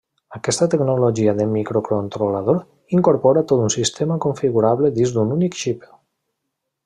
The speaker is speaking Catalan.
Aquesta tecnologia de microcontrolador incorpora tot un sistema configurable dins d'un únic xip.